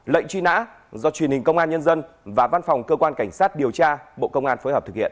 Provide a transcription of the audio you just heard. lệnh truy nã do truyền hình công an nhân dân và văn phòng cơ quan cảnh sát điều tra bộ công an phối hợp thực hiện